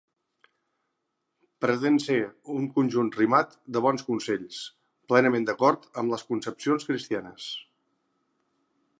Pretén ser un conjunt rimat de bons consells, plenament d'acord amb les concepcions cristianes.